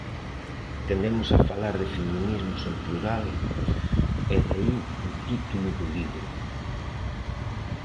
Tendemos a falar de feminismos en plural e de aí o titulo do libro.